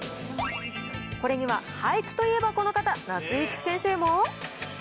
これには俳句といえばこの方、夏井いつき先生も。